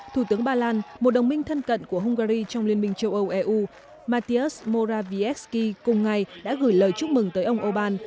thủ tướng ba lan một đồng minh thân cận của hungary trong liên minh châu âu eu matius moravisky cùng ngày đã gửi lời chúc mừng tới ông orbán